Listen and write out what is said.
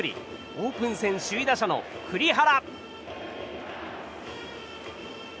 オープン戦首位打者の栗原。